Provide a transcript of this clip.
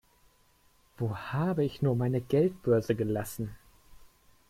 Wo habe ich nur meine Geldbörse gelassen?